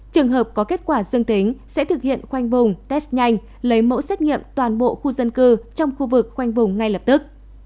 trường hợp có kết quả dương tính sẽ thực hiện khoanh vùng test nhanh lấy mẫu xét nghiệm toàn bộ khu dân cư trong khu vực khoanh vùng ngay lập tức